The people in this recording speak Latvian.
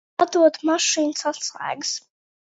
Atdod mašīnas atslēgas.